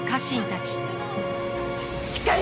しっかり！